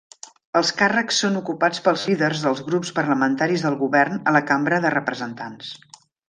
Els càrrecs són ocupats pels líders dels grups parlamentaris del Govern a la Cambra de Representants.